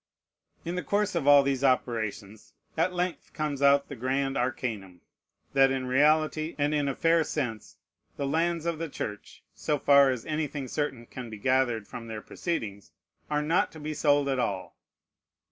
In the course of all these operations, at length comes out the grand arcanum, that in reality, and in a fair sense, the lands of the Church (so far as anything certain can be gathered from their proceedings) are not to be sold at all.